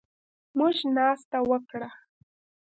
موږ ناسته وکړه